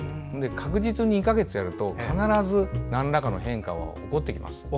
確実に２か月やると必ず、なんらかの変化は起こってきます。